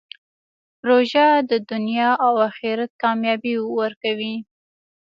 روژه د دنیا او آخرت کامیابي ورکوي.